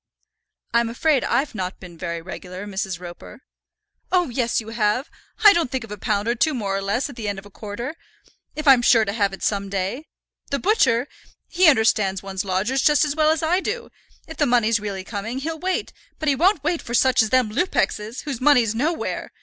"I'm afraid I've not been very regular, Mrs. Roper." "Oh, yes, you have. I don't think of a pound or two more or less at the end of a quarter, if I'm sure to have it some day. The butcher, he understands one's lodgers just as well as I do, if the money's really coming, he'll wait; but he won't wait for such as them Lupexes, whose money's nowhere.